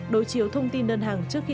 đối chiếu thông tin đơn hàng trước khi